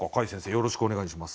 よろしくお願いします。